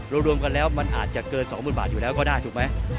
รวมกันแล้วมันอาจจะเกิน๒๐๐๐บาทอยู่แล้วก็ได้ถูกไหม